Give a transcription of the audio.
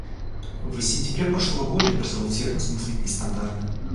В сентябре прошлого года я призывал всех нас мыслить нестандартно.